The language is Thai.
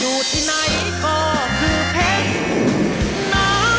อยู่ที่ไหนก็คือเพชรนะ